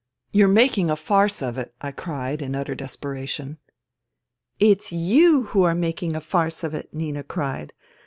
" You're making a farce of it !'* I cried in utter desperation. " It's you who are making a farce of it," Nina cried.